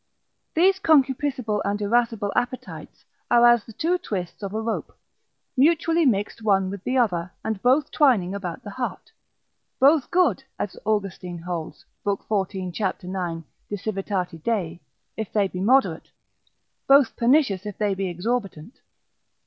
These concupiscible and irascible appetites are as the two twists of a rope, mutually mixed one with the other, and both twining about the heart: both good, as Austin, holds, l. 14. c. 9. de civ. Dei, if they be moderate; both pernicious if they be exorbitant.